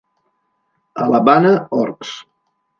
A la Bana, orcs.